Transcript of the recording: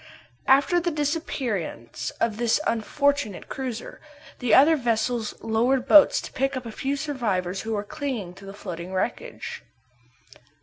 After the disappearance of the unfortunate cruiser, the other vessels lowered boats to pick up a few survivors who were clinging to the floating wreckage.